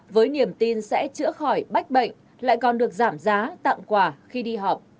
với niềm tin sẽ chữa khỏi bách bệnh lại còn được giảm giá tặng quà khi đi học